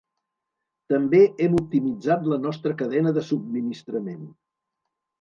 També hem optimitzat la nostra cadena de subministrament.